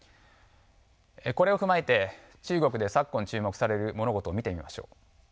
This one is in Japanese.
これを踏まえて中国で昨今注目される物事を見てみましょう。